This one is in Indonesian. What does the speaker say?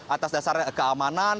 atas dasar keamanan